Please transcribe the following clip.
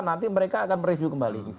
nanti mereka akan mereview kembali